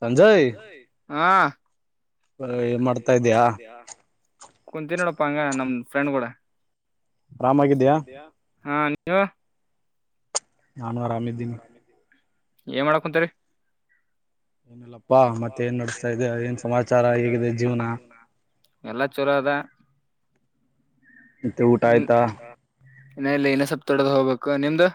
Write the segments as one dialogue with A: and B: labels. A: ಸಂಜಯ್
B: ಹಾಂ
A: ಏನ್ ಮಾಡ್ತಾ ಇದೀಯಾ
B: ಕುಂದು ತಿನ್ಡಪ್ಪಾಂಗ ನಮ್ ಫ್ರೆಂಡ್ ಕೂಡ
A: ಆರಾಮಾಗಿದ್ದೆಯಾ
B: ಹಾ ನೀವು
A: ನಾನು ಆರಾಮ ಇದ್ದೀನಿ
B: ಏನ ಮಾಡಕುಂತಿರಿ
A: ಏನಲ್ಲಪ್ಪಾ ಮತ್ತೆ ಏನ್ ನಡ್ಸ್ತಾ ಇದೆ ಏನ್ ಸಮಾಚಾರ ಹೇಗಿದೆ ಜೀವನ
B: ಎಲ್ಲಾ ಚೋಲೋಅದ
A: ತು ಊಟಾಯತಾ
B: ಇನ್ನ ಇಲ್ಲಿ ಇನ್ನ ಸವಪ್ ತೊಡದು ಹೋಗ್ಬೇಕು ನಿಮ್ದ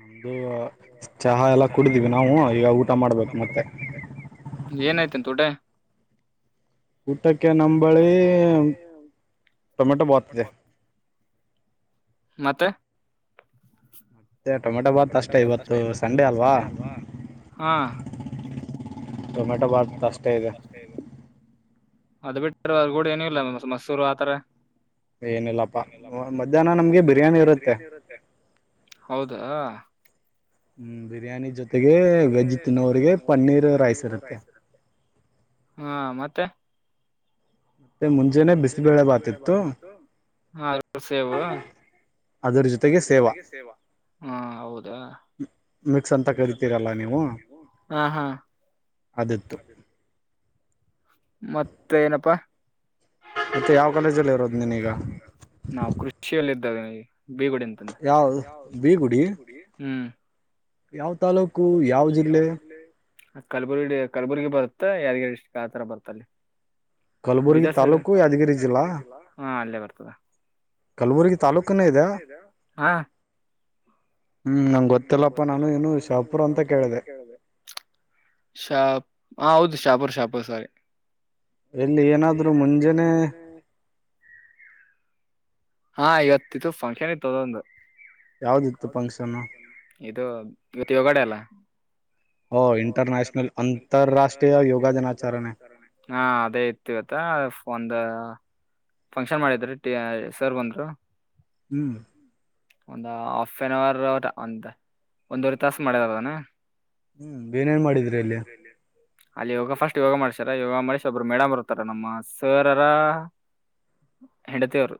A: ನಮ್ದು ಚಹಾ ಎಲ್ಲ ಕುಡಿದೀವಿ ನಾವು ಈಗ ಊಟ ಮಾಡ್ಬೇಕು ಮತ್ತೆ
B: ಏನಾಯ್ತ ತೋಟ
A: ಊಟಕ್ಕೆ ನಂಬಂಬಳಿ ಟೊಮೆಟೊ ಬಾತದೆ
B: ಮತ್ತೆ
A: ಮತ್ತೆ ಟೊಮೆಟೊ ಭಾತ್ ಅಷ್ಟೇ ಇವತ್ತು ಸಂಡೇ ಅಲ್ವಾ ಟೊಮೆಟೋ ಭಾತ್ ಅಷ್ಟ
B: ಅ ಅದು ಬಿಟ್ಟಗೂಡ ಏನು ಇಲ್ಲ ಮಸೂರು ಆತರ
A: ಏನಿಲ್ಲಪ್ಪಾ ಮಧ್ಯಾಹ್ನ ನಮ್ಗೆ ಬಿರಿಯಾನಿ ಇರುತ್ತೆ
B: ಹೌದಾ
A: ಬಿರಿಯಾನಿ ಜೊತೆಗೆ ವೆಜ್ ತಿನ್ನೋರಿಗೆ ಪನ್ನೀರ್ ರೈಸ್ ಇರುತ್ತೆ
B: ಹಾ ಮತ್ತೆ ಮುಂಜೆನೆ ಬಿಸಬೇಳೆ ಬಾತಿತ್ತು ಹ ಸೇವು ಅದರ ಜೊತೆಗೆ ಸೇವಾ ಹಾ ಹೌದಾ ಮಿಸ್ ಅಂತ ಕರಿತೀರಲ್ಲ ನೀವು ಹ ಹ ಅದೇ ಮತ್ತ ಏನಪ್ಪಾ ನಾವು ಕೃಷಿಯಲ್ಲ ಇದ್ದಾಗ ನಗೆ ಬೇಗುಡಿ ಅಂತಂದ ಯ ಬಗು ಹ್ಮ್
A: ಯಾವ ತಾಲೂಕು ಯಾವ ಜಿಲ್ಲೆ
B: ಕಲ್ಬುರ್ಗ ಕಲ್ಬುರ್ಗಿ ಬರುತ್ತ ಯಾದಗಿರಿ ಡಿಸ್ಟ್ರಿಕ್ ಆತರ ಬರ್ತಲ್ಲಿ ಬೀದರ್ ಸೈಡ್ ತಾಲೂಕು ಯಾದಗಿರಿ ಜಿಲ್ಲಾ ಹಾ ಅಲ್ಲೇ ಬರ್ತದೆ ಕಲಬುರ್ಗಿ ತಾಲೂಕನೇ ಇದೆ ಹ
A: ಹ್ಮ್ ನಂಗೆ ಗೊತ್ತಲ್ಲಪ್ಪ ನಾನು
B: ನಾನು ನು ಶಪುರ್ ಅಂತ ಕೇಳಿದೆ ಶಾ ಹ ಹೌದು ಶಾಪರ್ ಶಾಪರ್ ಸಾರಿ
A: ಎಲ್ಲಿ ಏನಾದ್ರು ಮುಂಜಾನೇ
B: ಹಾ ಇವತ್ತ ಇತ್ತು ಫಂಕ್ಷನ್ ಇತ್ತು ಅದೊಂದು ಇದು ಇವತ್ತು ಯಗಡೆ ಅಲ್ಲ ಇಂಟರ್ ನ್ಯಾಷನಲ್ ಅಂತಾರಾಷ್ಟ್ರೀಯ ಯೋಗ ದಿನಾಚರಣೆ ಹಾ ಅದೇ ಇತ್ತು ಇವತ್ತ ಒಂದ ಫಂಕ್ಷನ್ ಮಾಡಿದ್ರಿ ಟ ಸರ್ ಬಂದರು ಒಂದ ಆ ಹಫ್ ಎನ್ ಅವರ್ ಅವ ಅ ಒಂದುವವರೆ ತಾಸ ಮಾಡ್ಯದಾರದಾನ
A: ಹ್ಮ್ ಏನೇನ್ ಮಾಡಿದ್ರಿ ಇಲ್ಲಿಯ
B: ಅಲ್ಲಿ ಯೋಗ ಫಾಸ್ಟ್ ಯೋಗ ಮಾಡ್ಸ್ಯಾರ ಯೋಗ ಮಾಡಿಸಿ ಒಬ್ಬರು ಮೇಡಮ್ ಇರ್ತಾರ ನಮ್ಮ ಸರರ ಹೆಂಡತಿಯವರು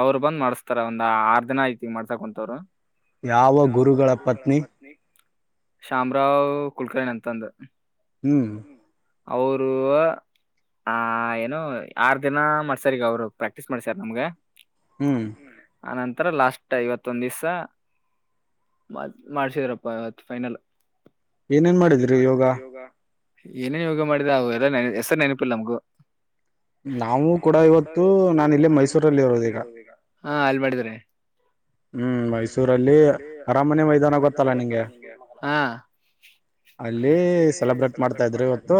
B: ಅವರು ಬಂದ್ ಮಾಡಸ್ತಾರ ಒಂದ್ ಆರ್ ದಿನ ಐದ್ ದಿನ ಮಾಡ್ತಾ ಕುಂತವ್ರು
A: ಯಾವ ಗುರುಗಳ ಪತ್ನಿ
B: ಶಾಮರಾವ್ ಕುಲಕರ್ಣ್ ಅಂತಂದ
A: ಹ್ಮ್
B: ಅವರು ಆ ಏನು ಆರ್ ದಿನ ಮಾಡ್ಸರ್ ಈಗ ಅವರು ಪ್ರಾಕ್ಟೀಸ್ ಮಾಡ್ಸ್ಯರ್ ನಮ್ಗ
A: ಹ್ಮ್
B: ಆನಂತರ ಲಾಸ್ಟ್ ಐವತ್ತೊಂದ್ ದಿವ್ಸ ಮಾಡ್ಸಿದ್ರಪ್ಪ ಇವತ್ತು ಫೈನಲ್
A: ಏನೇನ್ ಮಾಡಿದ್ರಿ ಯೋಗ
B: ಏನೇನ್ ಯೋಗ ಮಾಡಿದ ಅವವು ಎಲ್ಲಾ ನೆ ಹೆಸರು ನೆನಪಿಲ್ಲ ನಮಗು ನಾವವು ಕೂಡ ಇವತ್ತು ನಾನ ಇಲ್ಲಿ ಮೈಸೂರಲ್ಲಿ ಹೋದ ಈಗಿದ್ರ
A: ಹ್ಮ್ ಮೈಸೂರಲ್ಲಿ ಅರಾಮನೆ ಮೈದಾನ ಗೊತ್ತಲ್ಲ ನಿಂಗೆ ಅಲ್ಲಿ ಸೆಲೆಬ್ರೇಟ್ ಮಾಡ್ತಾ ಇದ್ರರು ಇವತ್ತು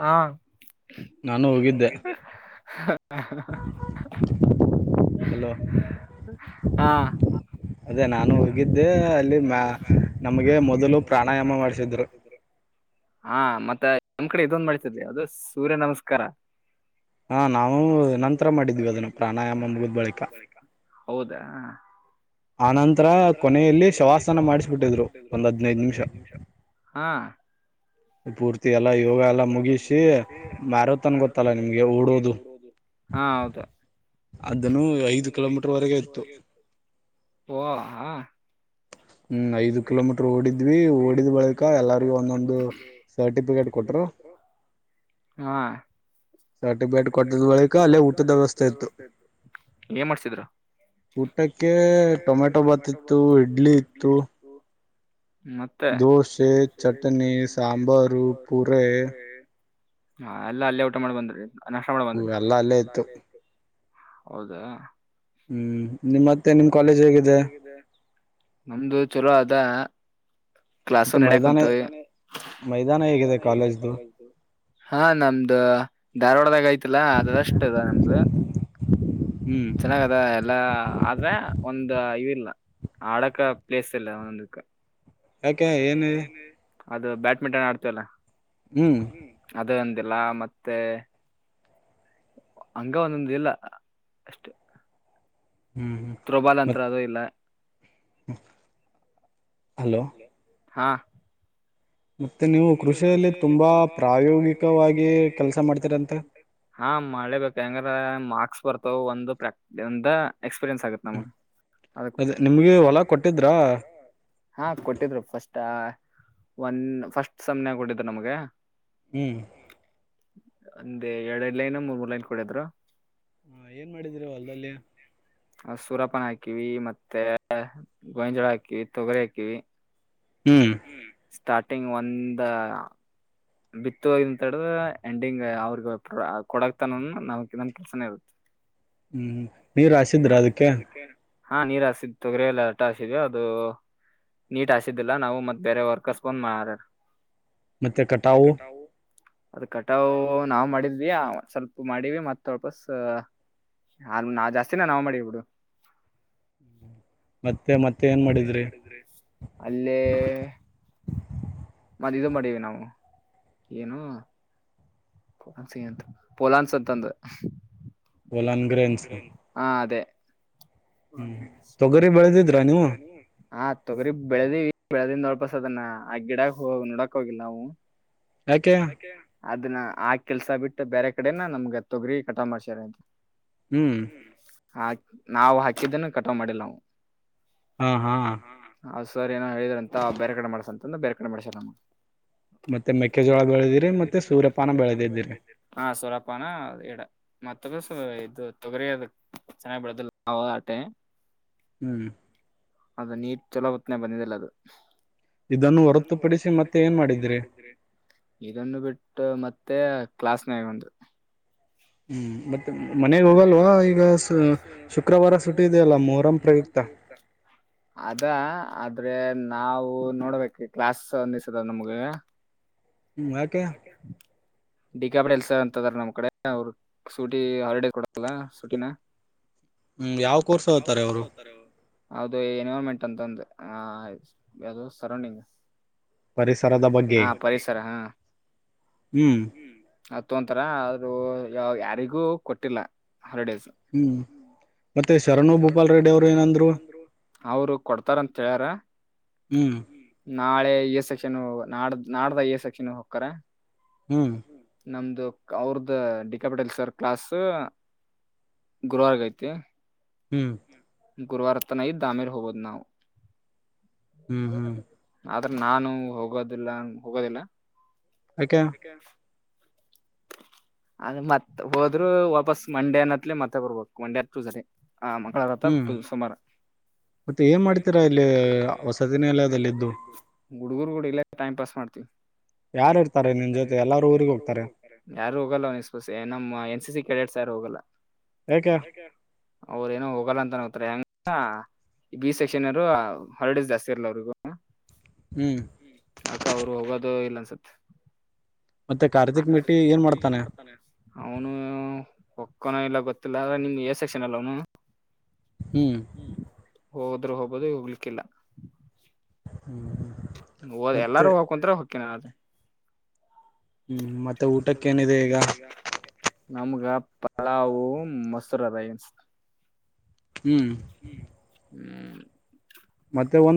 B: ಹಾ
A: ನಾನು ಹೋಗಿದ್ದೆ
B: ಹಾ ಅದೇ ನಾನು ಹೋಗಿದ್ದೆ ಅಲ್ಲಿ ನಮ್ಗೆ ಮೊದಲು ಪ್ರಾಣಾಯಾಮ ಮಾಡ್ಸಿದ್ರು ಹಾ ಮತ್ತೆ ನಮ್ ಕಡೆ ಇದೊಂದು ಮಾಡ್ತದೆೆ ಅದು ಸೂರ್ಯ ನಮಸ್ಕಾರ
A: ಹಾ ನಾವು ನಂತರ ಮಾಡಿದ್ವಿ ಅದನ್ನು ಪ್ರಾಣಾಯಾಮ ಮುಗಿದ್ ಬಳಿಕ
B: ಹೌದಾ ಆನಂತರ ಕೊನೆಯಲ್ಲಿ ಶವಾಸಾನ ಮಾಡಿಸ್ಬಿಟ್ಟಿದ್ರು ಒಂದು ಹದ್ನೈದು ನಿಮಿಷ ಹ [inaudible]
A: ಪೂರ್ತಿ ಎಲ್ಲ ಯೋಗ ಎಲ್ಲ ಮುಗಿಸಿ ಮಾರೋತನ್ ಗೊತ್ತಲ್ಲ ನಿಮ್ಗೆ ಓಡೋದು
B: ಹಾ ಹೌದು
A: ಅದನ್ನು ಐದು ಕಿಲೋಮೀಟರ್ ವರೆಗೆ ಇತ್ತು
B: ಹೊ ಆ
A: ಹ್ಮ್ ಐದು ಕಿಲೋಮೀಟರ್ ಓಡಿದ್ವಿ ಓಡಿದ್ ಬಳಿಕ ಎಲ್ಲಾರಿಗೂ ಒಂದೊಂದು ಸರ್ಟಿಫಿಕೇಟ್ ಕೊಟ್ಟರು
B: ಹಾ ಬಟ ಬ ಹೋಟಲ್ ಬಳಿಕ ಅಲ್ಲೇ ಊಟದ ವ್ಯವಸ್ಥೆ ಇತ್ತು ಏನ್ ಮಾಡ್ಸಿದ್ರ
A: ಊಟಕ್ಕೆ ಟೊಮೆಟೊ ಭಾತ್ ಇತ್ತು ಇಡ್ಲಿ ಇತ್ತು ದೋಸೆ ಚಟ್ನಿ ಸಾಂಬಾರು ಪೂರೆ
B: ಹಾ ಎಲ್ಲಾ ಅಲ್ಲಿೇ ಊಟ ಮಾಡಿ ಬಂದ್ರಿ
A: ಹ ಎಲ್ಲ ಅಲ್ಲೇ ಇತ್ತು
B: ಹೌದಾ
A: ಹ್ಮ್ ನಿಮ್ಮ ಮತ್ತೆ ನಿಮ್ ಕಾಲೇಜ್ ಹೇಗಿದೆ
B: ನಮ್ದು ಚಲೋ ಆದ ಕ್ಲಾಸು ನಡಕ್ ಹೊಂತ ಮೈದಾನಿದೆ ಕಜ ಹಾ ನಮ್ದು ಧಾರವಾಡದಾಗಐ್ತಲ್ಲಾ ಅದಷ್ಟ ಅದ ನಮ್ದು ಚೆನ್ನಾಗದ ಎಲ್ಲಾ ಆದ್ರೆ ಒಂದ ಇಲ್ಲ ಆಡಕ ಪ್ಲೇಸ್ ಎಲ್ಲ ಒಂದಕ್ಕ ಅದು ಬ್ಯಾಡ್ಮಿಂಟನ್ ಆಡ್ತಲ್ಲ ಅದ ಇದೆಲ್ಲ ಮತ್ತೆ ಹಂಗ ಒಂದೊಂದು ಇಲ್ಲ ಅಷ್ಟು ಥ್ರೋಬಾಲ್ ಅಂತತ್ರ ಅದು ಇಲ್ಲ
A: ಹಲೋ
B: ಹಾ
A: ಮತ್ತೆ ನೀವು ಕೃಷಿಯಲ್ಲಿ ತುಂಬಾ ಪ್ರಾಯೋಗಿಕವಾಗಿ ಕೆಲಸ ಮಾಡ್ತೀರಂತೆ
B: ಹಾ ಮಾಡಲೇ ಬೇಕ ಹೆಂಗ್ರ ಮಾರ್ಕ್ಸ್ ಬರ್ತಾವ ಒಂದು ಪ್ರಾಕ್ ಒಂದ
A: ಹ್ಮ್ ಅದೇ ನಿಮ್ಗೆ ಹೊಲ ಕೊಟ್ಟಿದ್ರ
B: ಹಾ ಕೊಟ್ಟಿದ್ರು ಫಸ್ಟ್ ಒಂದ ಫಸ್ಟ್ ಸ್ನೆಮ ನ್ಯಾಗ ಕೊಟ್ಟಿದ್ದ ನಮ್ಗೆ
A: ಹ್ಮ್
B: ಒಂದೆ ಎರಡ್ ಐ ಲೈನ್ ಮೂರ್ ಮೂರ್ ಲೈನ್ ಕೊಡದ್ರು
A: ಹಾ ಏನ್ ಮಾಡಿದೀರಿ ಹೊಲ್ದಲ್ಲಿಯ
B: ಸೂರಪ್ಪನ ಹಾಕಿವಿ ಮತ್ತೆ ಗೋವಿನಜೋಳ ಹಾಕಿವವಿ ತೊಗರಿ ಹಾಕಿವವಿ
A: ಹ್ಮ್
B: ಸ್ಟಾರ್ಟಿಂಗ್ ಒಂದ ಬಿತ್ತ ಹೋಗಿ ಅಂತ ಹೇಳಡಿದ್ದ ಎಂಡಿಂಗ್ ಅವ್ರಿಗೆ ಕೊಡಕ್ತಾನ ನಮಗೆನ್ ಕೆಲ್ಸನ ಇರುತ್ತೆ
A: ಹ್ಮ್ ನೀರ್ ಹಾಸಿದ್ದ ರಾ ಅದಕ್ಕೆ
B: ಹಾ ನೀರ ಹಾಸತ್ತು ತೊಗರಿ ಗ್ರ ಎಲ್ಲ ಹಟ ಹಾಸಿದ್ವಿ ಅದು ನೀಟ್ ಹಸಿದ್ದಿಲ್ಲಾ ನಾವು ಮತ್ ಬೇರೆ ವರ್ಕರ್ಸ್ ಬಂದ್ ಮಾಡಾರಾರ
A: ಮತ್ತ ಕಟಾವು
B: ಅದ ಕಟಾವು ನಾವ್ ಮಾಡಿದವಿಯ ಸ್ವಲ್ಪ ಮಾಡಿವವಿ ಮತ್ತ ವಪಸ್ ಅ ನಾವ ಜಾಸ್ತಿನ ನಾವು ಮಾಡಿವಬಿಡು ಮತ್ತೆ ಮತ್ತೆ ಏನ್ ಮಾಡಿದ್ರಿ ಅಲ್ಲೇ ಮತ್ತ ಇದು ಮಾಡೀವಿ ನಾವು ಏನು ಪೊಲಾನ್ಸ ಅಂತ ಪೊಲಾನ್ಸ್ ಅಂತಂದ ಹಾ ಅದೇ ತೊಗರಿ ಬೆಳದೆ ರಾಣ ಹಾ ತೊಗರಿ ಬೆಳೆದಿವವಿ ಬೆಳೆದಿಂದ ವಾಪಸ ಅದನ್ನ ಆ ಗಿಡಾಗ ಹೋಗಿ ನೋಡಕ್ ಹೋಗಿಲ್ಲ ನಾವು
A: ಯಾಕೆ
B: ಅದನ್ನ ಆ ಕೆಲ್ಸ ಬಿಟ್ಟು ಬೇರೆ ಕಡೆನ ನಮ್ಗ ತೊಗರಿ ಕಟ ಮಾಡ್ಸಾರ ಅ
A: ಹ್ಮ್
B: ಹ ನಾವು ಹಾಕಿದ್ದೇನ ಕಟಾವ ಮಾಡಿಲ್ಲ ನಾವು ಸರ್ ಏನೋ ಹೇಳಿದ್ರ ಅಂತ ಬೇರೆ ಕಡೆ ಮಾಡಸ ಅಂತಂದು ಬೇರೆ ಕಡೆ ಮಾಡ್ಸಾರಮ್ಮ ಮತ್ತ ಮೆಕ್ಕೆಜೋಳ ಬೆಳದಿರಿ ಮತ್ತೊರಪ್ಪನ ಬೆಳೆದಿದರಿ ನ ಇಡ ಮತ್ತಸ ಇದು ತೊಗರಿ ಅದ ಚೆನ್ನಾಗಾಗಿ ಬಿಳದಿಲ್ಲ ಆಟೆ
A: ಹ್ಮ್
B: ಅದು ನೀಟ್ ಚಲೋ ಹೊತ್ನ ಬಂದಿದೆಲ್ಲ ಅದು
A: ಇದನ್ನು ಹೊರತುಪಡಿಸಿ ಮತ್ತೆ ಏನ್ ಮಾಡದ್ರಿ
B: ಇದನ್ನು ಬಿಟ್ಟು ಮತ್ತೆ ಕ್ಲಾಸ್ನಾಗ ಒಂದು
A: ಹ್ಮ್ ಮತ್ತೆ ಮನೆಗೆ ಹೋಗಲ್ವಾ ಈಗ ಶುಕ್ರವಾರ ಸುಟ್ಟಿದೆಯಲ್ಲ ಮೊಹರಂ ಪ್ರಯುಕ್ತ
B: ಅದಾ ಅ ಆದ್ರೆ ನಾವು ನೋಡ್ಬೇಕ ಕ್ಲಾಸ್ ಅನ್ನಿಸತ ನಮ್ಗೆ. ಡಿಕ್ಕಾಪ ಎಲ್ಸ ಅಂತದಾರ ನಮ್ಮ್ ಕಡೆ ಅವರು. ಶೂಟಿ ಹಾಲಿಡೇಸ್ ಕೊಡಲ್ಲ ಶೂಟಿನ.
A: ಹ್ಮ್ ಯಾವ ಕೋರ್ಸ್ ಹತಾರೆ ಅವರು.
B: ದು ಎನ್ವೈರಮೆಂಟ್ ಅಂತ ಒಂದು ಆ ಯಾವದು ಸರೌಂಡಿಂಗ್. ಪರಿಸ ಹಾ ಪರಿಸರ ಹಾಮ. ಹತ್ ಒಂತರ ಆದರು ಯ ಯಾರಿಗೂ ಕೊಟ್ಟಿಲ್ಲ ಹಾಲಿಡೇಸ್. ಮತ್ತೆ ಶರಣು ಗೂಪಾಲ್ ರೆಡ್ಡಿ ಅವರು ಏನಂದ್ರು ಅವರು ಕೊಡ್ತಾರಂತ ಹೇಳ್ಯಾರ.
A: ಹ್ಮ್.
B: ನಾಳೆ ಎ ಸೆಕ್ಷನ್ ನಾಡ ನಾಡ್ದ ಎ ಸೆಕ್ಷನ್ ಹಕ್ಕರ.
A: ಹ್ಮ್.
B: ನಮ್ದು ಅವ್ರದ್ದ ಡಿಕ್ಕಾಪಟೇಲ್ ಸರ್. ಕ್ಲಾಸ್ ಗ್ರೋ ಆಗೈತಿ
A: ಹ್ಮ್.
B: ಗುರುವಾರ ತನೈ ದಾಮೇರ್ ಹೋಗಬೋದು ನಾವು.
A: ಹ್ಮ್ ಹ್ಮ್.
B: ಅ್ರ ನಾನು ಹೋಗೋದಿಲ್ಲ ಹೋಗೋದಿಲ್ಲ.
A: ಯಾಕೆ
B: ಹ. [unintelligible] ಅದ ಮತ್ತ ಹೋದ್ರು ವಾಪಸ್ ಮಂಡೇನ ಹತ್ಲೆ ಮತ್ತೆ ಬರ್ಬೇಕು ಮಂಡೆ ಹತ್ ಸರಿ. ಹ ಮಕ್ಕಳಾರಥ ಸೋಮವಾರ ಏನ್ ಮಾಡ್ತಾರ ಇಲ್ಲಿ ಹೊಸ ದಿನ ಎಲ್ಲು ಹುಡುಗರು ಇಲ್ಲ ಟೈಮ್ ಪಾಸ್ ಮಾಡ್ತಾರೆ. ತ್ತ-. [unintelligible]
A: ಯಾರು ಇರ್ತ
B: ಊರೆ [unintelligible] ಯಾರು ಹೋಗಲ್ಲ ನಮ್ಮ್ ಎನ್ ಸಿ ಸಿ ಕ್ಯಾಡೆಟ್ಸ್ ಯಾರು ಹೋಗಲ್ಲ. ಅವ್ರ ಏನೋ ಹೋಗಲ್ಲ ಅಂತ ಹೋಗತಾರೆ ಹೆಂಗ. ಬಿ ಸೆಕ್ಷನ್ರು ಹರ್ಡಸ್ ದಾಸ್ಲ ಅವ್ರಿಗೂ. ಅಕ ಅವರು ಹೋಗೋದು ಇಲ್ಲ ಅನ್ಸತ್. ಕಾರ್ತಿಕ್ ಮೆಟ್ಟಿ ಏನ್ ಮಾಡ್ತಾನೆ ಅವನು ಕೊನ ಇಲ್ಲ ಗೊತ್ತಿಲ್ಲ ನಿಮ್ಗೆ ಸೆಕ್ಷನ್ ಅಲ್ಲ ಅವನು.
A: ಹ್ಮ್.
B: ಹೋದ್ರು ಹೋಗಬದು ಹೋಗ್ಲಿಕ್ಕಿಲ್ಲ. ಎಲ್ಲಾರೂ ಹೋಗಕಂತರ ಹೊಕ್ಕಿನ ಅ
A: ಹ್ಮ್ ಮತ್ತೆ ಊಟಕ್ಕೇಏನಿದೆ ಈಗ. [inaudible]
B: ನಮ್ಗ ಪಲವು ಮೊಸರು ರೈಸ್.
A: ಹ್ಮ್.
B: ಹ್ಮ.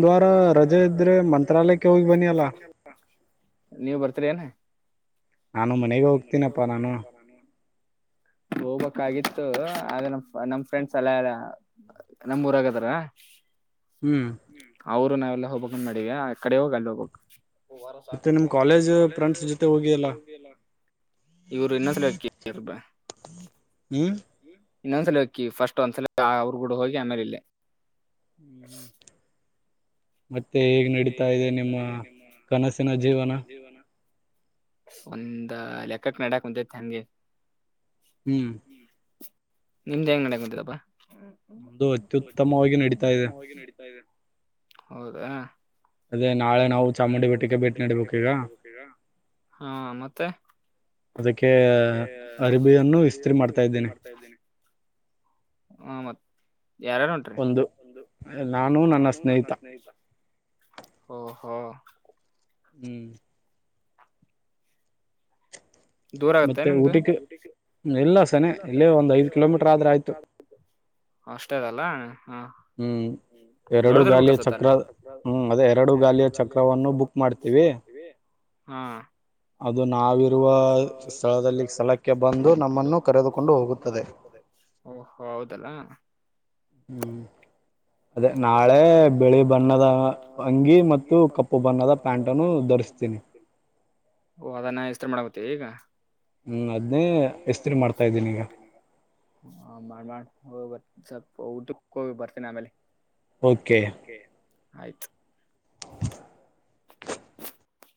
B: ಮತ್ತೆ ಒಂದು ವಾರ ರಜೆ ಇದ್ರೆ ಮಂತ್ರಾಲಯಕ್ಕೆ ಹೋಗಿ ಬನ್ನಿ ಅ ನೀವ್ ಬರ್ತರಿ ಏನ.
A: ನಾನು ಮನೆಗೆ ಹೋಗ್ತೀನಪ್ಪಾ ನಾನು.
B: [inaudible] ಹೋಗ್ಬೇಕಕಗಿತ್ತು ಆದ ನಮ ನಮ್ ಫ್ರೆಂಡ್ಸ್ ಎಲ್ಲ ನಮೂರಗದ್ರ.
A: ಹ್ಮ್.
B: ಅವರು ನಾವೆಲ್ಲ ಹೋಗಬಬೇಕಕ್ಂದ ನಡಿಗೆ ಆ ಕಡೆ ಹೋಗ ಅಲ್ಲಿ ಹೋಗಬಬೇಕ್. ಓ ವಾರ ಸಾಕಪ್ಪ ಅಷ್ಟೆ ನಿಮ್ ಕಾಲೇಜ್ ಫ್ರೆಂಡ್ ಜೊತೆ ಹೋಗಿ ಅಲ್ಲ. ಇವರು ಇನ್ನೊ ಸಲಕ್ಕ ಇರ್ಬ ಇನ್ನೊಂದ್ಸಲ ಹಕಿ ಫಸ್ಟ್ ಒಂದ್ಸಲ ಅವ್ರಗೂಡ ಹೋಗಿ ಆಮೇಲೆ ಇಲ್ಲೇ.
A: ಹ್ಮ್ ಹ್ಮ್. [unintelligible] ಮತ್ತೆ ಹೇಗ್ ನಡೀತಾ ಇದೆ ನಿಮ್ಮ ಕನಸಿನ ಜೀವನ.
B: ಒಂದ ಲೆಕ್ಕಕ್ ನಡಕ್ ಕುಂತೈತಿ ನಂಗೆ.
A: ಹ್ಮ್
B: ನಿಮ್ದೆ ಹೆಂಗ್ [unintelligible] ನಡಟಿದಪ್ಪಾ
A: ನಮ್ದು ಅತ್ಯುತ್ತಮವಾಗಿ ನಡೀತಾ ಇದೆ
B: [unintelligible] ಹೌದಾ ಅದೇ ನಾಳೆ ನಾವು ಚಾಮುಂಡಿಪೇಟ್ಟೆಗೆ ಭೇಟಿ ನಡ್ಬೇಕು ಈಗ ಹಾ ಮತ್ತೆ
A: ಅದಕ್ಕೆ ಅರಬಿಯನ್ನು ಇಸ್ತ್ರಿ ಮಾಡ್ತಾ ಇದ್ದೇನೆ
B: ಹ್ಮ ಮತ್ೆ [unintelligible] ಯಾರಾರ ಹೊಂಟ್ರಿ ಒಂದು ನಾನು ನನ್ನ ಸ್ನೇಹಿತ ಹಓ ಹಾ
A: ಹ್ಮ್
B: ದೂರ ಆಗತ್ತೆ ನಿಮ್ದು ಊಟಿ ಎಲ್ಲ ಸ ಎಲ್ಲ ಒಂದ್ ಐದು ಕಿಲೋಮೀಟರ್ ಅಷ್ಟೇ ಅದಲ್ಲ ಹ
A: ಹ್ಮ್ ಎರಡು ಗಾಳಿಯ ಚಕ್ರ ಹ್ ಅದೇ ಎರಡು ಗಾಳಿಯ ಚಕ್ರವನ್ನು ಬುಕ್ ಮಾಡ್ತೀವಿ
B: ಹಾ
A: ಅದು ನಾವಿರುವ ಸ್ ಸ್ಥಳದಲ್ಲಿ ಸ್ಥಳಕ್ಕೆ ಬಂದು ನಮ್ಮನ್ನು ಕರೆದುಕೊಂಡು ಹೋಗುತ್ತದೆ
B: ಓ ಹೌದಲ್ಲ
A: ಹ್ಮ್ ಅದೇ ನಾಳೆ ಬೆಳಿ ಬಣ್ಣದ ಅಂಗಿ ಮತ್ತು ಕಪ್ಪು ಬಣ್ಣದ ಪ್ಯಾಂಟ್ ಅನ್ನು ಪರಿಸ್ಥೀನಿ
B: ಓ ಅದನ್ನ ಎಷ್ಟ ಮಾಡಬತ್ತೇ ಈಗ ಎ ಮಾಡ್ತಾ ಇದೀ ಮಾಡ ಹ ಬ ಸ್ವಲ್ಪ ಊಟಕ್ಕೆ ಹೋಗಿ ಬರ್ತೇನೆ ಆಮೇಲೆ
A: ಓಕೆ
B: ಆಯ್ತು [inaudible]